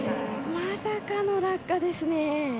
まさかの落下ですね。